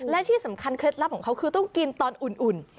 และที่สำคัญเคล็ดลับของเขาคือต้องกินตอนอุ่น